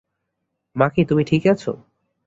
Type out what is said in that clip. মাকি, তুমি ঠিক আছো?